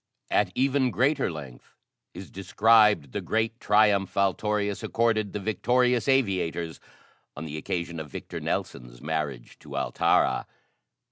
At even greater length is described the great triumph Altorius accorded the victorious aviators on the occasion of Victor Nelson's marriage to Altara.